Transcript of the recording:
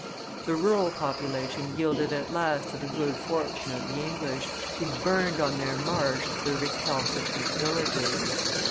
The rural population yielded at last to the good fortune of the English, who burned on their marsh the recalcitrant villages.